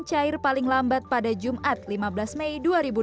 cair paling lambat pada jumat lima belas mei dua ribu dua puluh